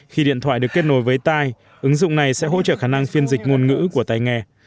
khi điện thoại được kết nối với tai ứng dụng này sẽ hỗ trợ khả năng phiên dịch ngôn ngữ của tay nghe